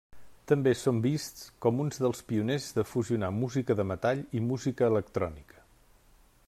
També són vists com uns dels pioners de fusionar música de metall i música electrònica.